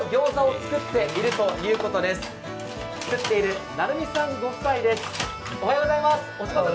作っている鳴海さんご夫妻です。